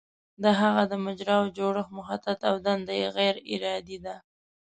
د هغه د مجراوو جوړښت مخطط او دنده یې غیر ارادي ده.